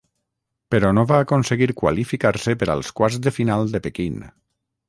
Però no va aconseguir qualificar-se per als quarts de final de Pequín.